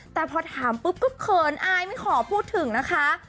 แต่พอถามปุ๊บก็เขินอายไม่ขอพูดถึงนะคะ